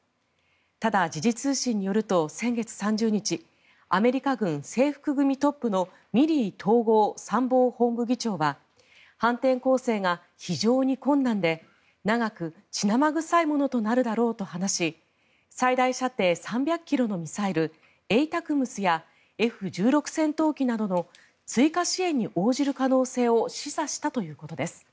ただ、時事通信によると先月３０日アメリカ軍制服組トップのミリー統合参謀本部議長は反転攻勢が非常に困難で長く血生臭いものとなるだろうと話し最大射程３００ｋｍのミサイルＡＴＡＣＭＳやＦ１６戦闘機などの追加支援に応じる可能性を示唆したということです。